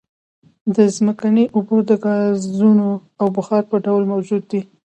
د ځمکې اوبه د ګازونو او بخار په ډول موجود دي